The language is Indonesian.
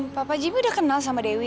papa jimmy udah kenal sama dewi